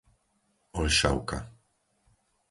Oľšavka